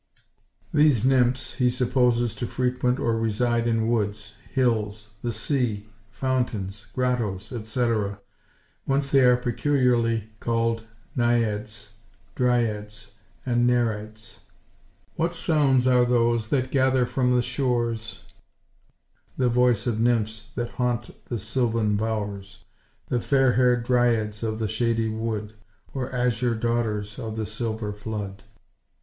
These Nymphs he supposes to frequent or reside in woods, hills, the sea, fountains, grottos etc., whence they are peculiarly called Naiads, Dryads and Nereids: "What sounds are those that gather from the shores, The voice of nymphs that haunt the sylvan bowers, The fair–hair'd dryads of the shady wood, Or azure daughters of the silver flood?"